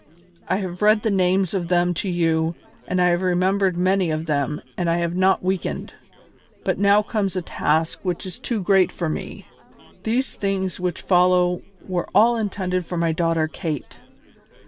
I have read the names of them to you and I have remembered many of them and I have not weakened, but now comes a task which is too great for me. These things which follow were all intended for my daughter Kate.